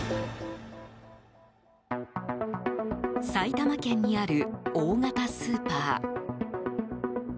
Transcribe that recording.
埼玉県にある大型スーパー。